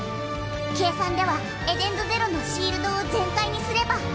計算ではエデンズゼロのシールドを全開にすれば。